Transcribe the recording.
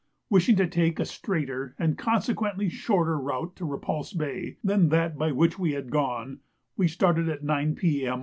Wishing to take a straighter, and consequently shorter, route to Repulse Bay than that by which we had gone, we started at 9 P.M.